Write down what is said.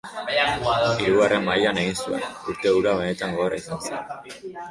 Hirugarren mailan egin zuen urte hura benetan gogorra izan zen.